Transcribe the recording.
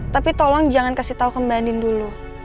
tapi tolong jangan kasih tahu ke mbak andin dulu